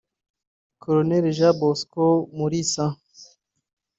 Col Jean Bosco Mulisa